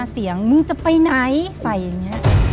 มึงจะไปไหนใส่อย่างนี้